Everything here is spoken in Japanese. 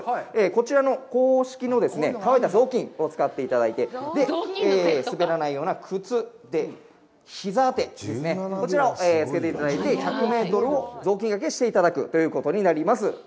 こちらの公式の渇いた雑巾を使っていただいて、滑らないような靴で、ひざ当てですね、こちらをつけていただいて１００メートルを雑巾がけしていただくということになります。